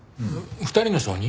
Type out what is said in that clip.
２人の証人？